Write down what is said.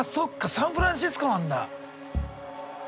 サンフランシスコなんだ。